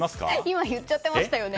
今、言っちゃってましたよね